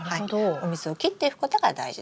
お水を切っていくことが大事です。